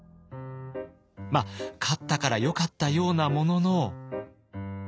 まあ勝ったからよかったようなものの。